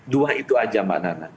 dua itu aja mbak nana